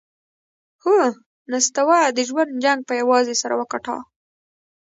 هو، نستوه د ژوند جنګ پهٔ یوازې سر وګاټهٔ!